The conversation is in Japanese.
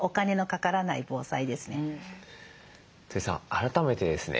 改めてですね